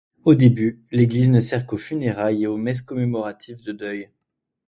Au début, l'église ne sert qu'aux funérailles et aux messes commémoratives de deuils.